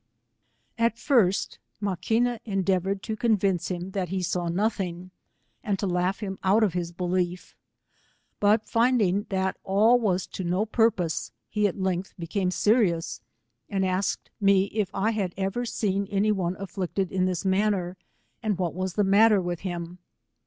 At first Maquina endeavoured to convince him that he saw nothing, and to laugh him out of his belief, but finding that all was to no purpose, he at length became serious, and asked me if 1 had ever seen any one affected in this manner, and ivhat was the matter with him.